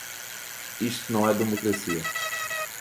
Isso não é democracia